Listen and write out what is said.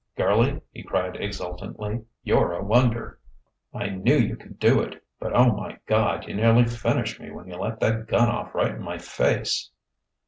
"Girlie!" he cried exultantly "you're a wonder! "I knew you could do it!... But, O my Gawd! you nearly finished me when you let that gun off right in my face!..."